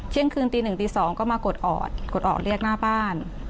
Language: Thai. เที่ยงคืนตี๑ตี๒ก็มากดออกเรียกหน้าบ้าน